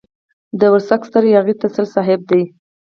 د ورسک ستر ياغي تسل صاحب دی.